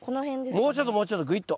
もうちょっともうちょっとぐいっと。